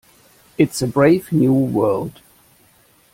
It's a brave new world.